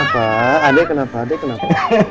kenapa adek kenapa adek kenapa